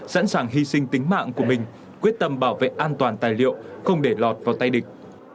sẵn sàng hy sinh tính mạng của mình quyết tâm bảo vệ an toàn tài liệu không để lọt vào tay địch